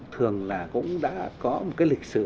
thường là cũng đã có một cái lịch sử